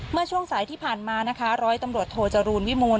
เมื่อช่วงสายที่ผ่านมานะคะร้อยตำรวจโทจรูลวิมูล